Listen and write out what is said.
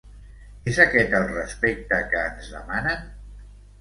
És aquest el respecte que ens demanen?.